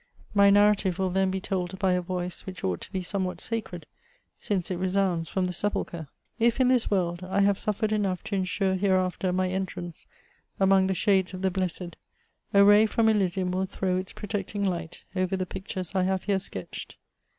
My narrative will then be told by a voice, which ought to be somewhat sacred, since it resounds from the sepulchre. If, in this world, I have suffered enough to insure hereafter my entrance among the shades of the« blessed, a ray from Elysium will throw its protecting light over the pictures I have here sketched.